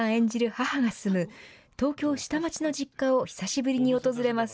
母が住む東京下町の実家を久しぶりに訪れます。